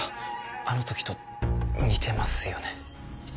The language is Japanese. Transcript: あの時と似てますよね。